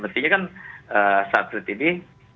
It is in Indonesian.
maksudnya kan slated ini